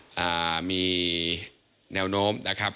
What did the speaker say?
เนียวโน้มนะครับ